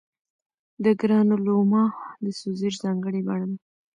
د ګرانولوما د سوزش ځانګړې بڼه ده.